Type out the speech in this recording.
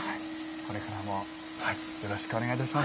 これからもよろしくお願いいたします。